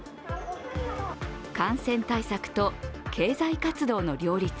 感染対策と経済活動の両立。